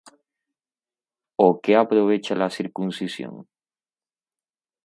¿ó qué aprovecha la circuncisión?,